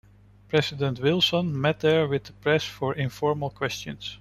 President Wilson met there with the press for informal questions.